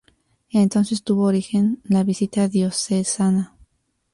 Entonces tuvo origen la visita diocesana.